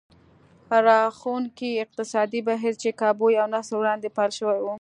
راښکوونکي اقتصادي بهير چې کابو يو نسل وړاندې پيل شوی و.